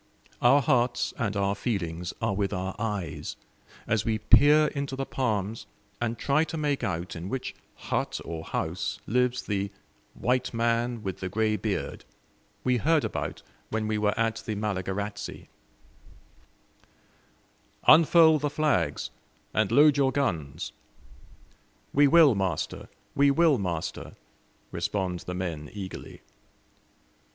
Our hearts and our feelings are with our eyes, as we peer into the palms and try to make out in which hut or house lives the "white man with the grey beard" we heard about when we were at the Malagarazi. "Unfurl the flags, and load your guns!" "We will, master, we will, master!" respond the men eagerly.